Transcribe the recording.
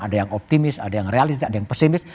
ada yang optimis ada yang realistis ada yang pesimis